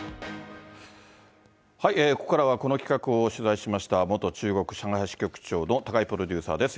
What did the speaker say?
ここからはこの企画を取材しました、元中国支局上海支局長の高井プロデューサーです。